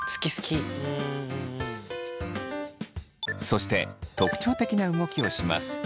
そして特徴的な動きをします。